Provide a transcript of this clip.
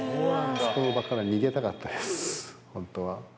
あの場から逃げたかったです、本当は。